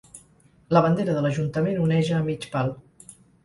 La bandera de l’ajuntament oneja a mig pal.